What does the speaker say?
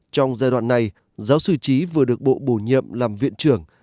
trong giai đoạn này giáo sư trí vừa được bộ bổ nhiệm làm viện trưởng